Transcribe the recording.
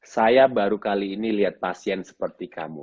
saya baru kali ini lihat pasien seperti kamu